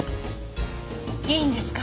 いいんですか？